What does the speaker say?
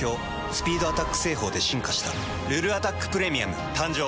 スピードアタック製法で進化した「ルルアタックプレミアム」誕生。